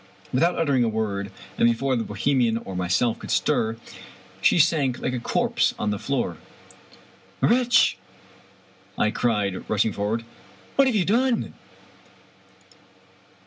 Without uttering a word, and before the Bohemian or myself could stir, she sank like a corpse on the floor. " Wretch !" I cried, rushing forward, " what have you done?"